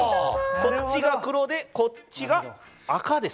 こっちが黒でこっちが赤。